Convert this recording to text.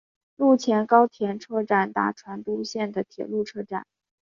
陆前高田车站大船渡线的铁路车站。